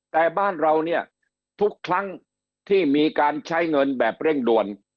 แต่บ้านเราเนี่ยทุกครั้งที่มีการใช้เงินแบบเร่งด่วน